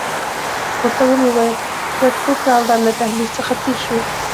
ورته ومې ویل وډکوک راوړه، له دهلیز څخه تېر شوو.